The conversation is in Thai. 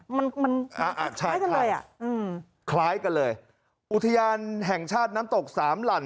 มันมันคล้ายกันเลยอ่ะอืมคล้ายกันเลยอุทยานแห่งชาติน้ำตกสามหลั่น